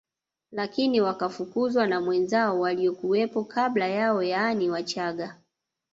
Lakini wakafukuzwa na wenzao waliokuwepo kabla yao yaani Wachaga